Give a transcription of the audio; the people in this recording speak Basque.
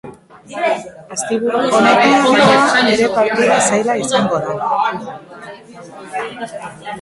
Asteburu honetakoa ere partida zaila izango da.